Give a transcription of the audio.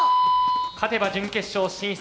勝てば準決勝進出。